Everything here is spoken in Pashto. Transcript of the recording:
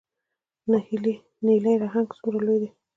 نیلي نهنګ څومره لوی دی؟